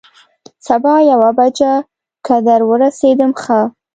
سبا یوه بجه که در ورسېدم، ښه.